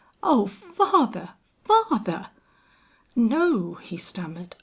Oh father, father!" "No," he stammered.